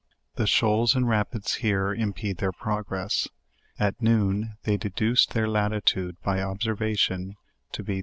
The shoals and rapids here impede their progress. At noon they deduced their latitute, by observation, to be 30.